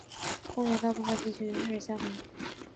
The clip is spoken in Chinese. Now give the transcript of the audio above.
公园大部分地区与水相邻。